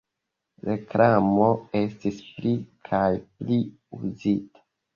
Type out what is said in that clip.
Reklamo estis pli kaj pli uzita.